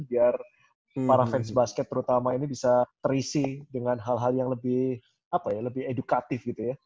biar para fans basket terutama ini bisa terisi dengan hal hal yang lebih edukatif gitu ya